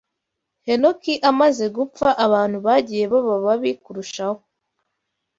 Henoki amaze gupfa abantu bagiye baba babi kurushaho.